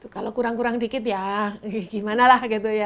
kalau kurang kurang dikit ya gimana lah